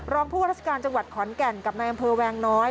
รองผู้รัฐกาลจังหวัดขอนแก่นกับนายังเภอแวงน้อย